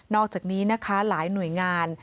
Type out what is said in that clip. อกจากนี้นะคะหลายหน่วยงาน